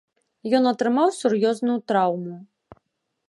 Ён атрымаў сур'ёзную траўму.